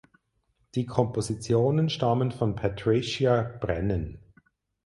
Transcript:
Die Kompositionen stammen von Patricia Brennan.